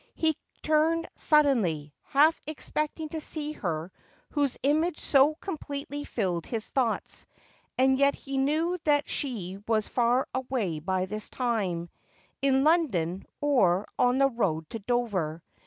lie turned suddenly, half expecting to see her whose image so completely filled his thoughts, and yet he knew that she was far away by this time — in London, or on the road to Dover.